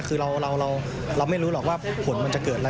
คือเราไม่รู้หรอกว่าผลมันจะเกิดอะไร